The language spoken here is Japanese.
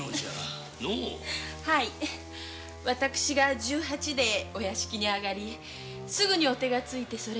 ハィ私は１８でお屋敷へ上がりすぐお手がついて５年。